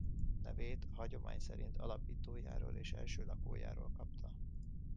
Nevét a hagyomány szerint alapítójáról és első lakójáról kapta.